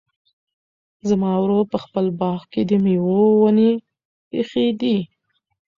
زما ورور په خپل باغ کې د مېوو ونې ایښي دي.